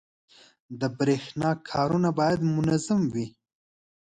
• د برېښنا کارونه باید منظم وي.